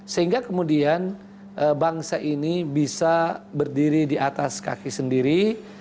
sehingga kemudian bangsa ini bisa berdiri di atas kaki sendiri